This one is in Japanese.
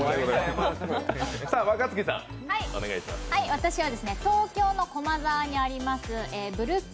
私は東京の駒沢にあります